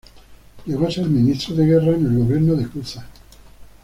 Llegó a ser ministro de guerra en el gobierno de Cuza.